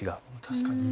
確かに。